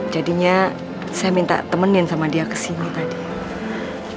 jadinya saya minta temenin sama dia kesini tadi